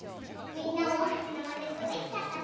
みんなもはちのまねっこできたかな？